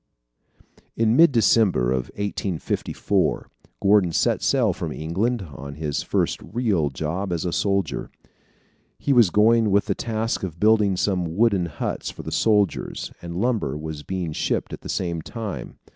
In mid December, of 1854, Gordon set sail from England, on his first real job as a soldier. He was going with the task of building some wooden huts for the soldiers, and lumber was being shipped at the same time.